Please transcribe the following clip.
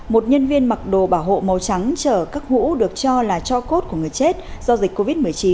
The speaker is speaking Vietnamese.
một nhân viên mặc đồ bảo hộ màu trắng chở các hũ được cho là cho cốt của người chết do dịch covid một mươi chín